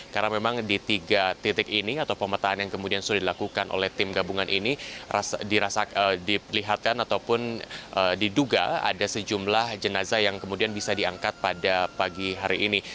karena memang di tiga titik ini atau pemetaan yang kemudian sudah dilakukan oleh tim gabungan ini dirasakan dilihatkan ataupun diduga ada sejumlah jenazah yang kemudian bisa diangkat pada pagi hari ini